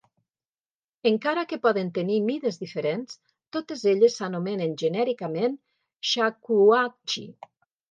Encara que poden tenir mides diferents, totes elles s'anomenen genèricament "shakuhachi".